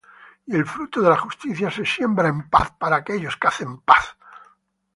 Y el fruto de justicia se siembra en paz para aquellos que hacen paz.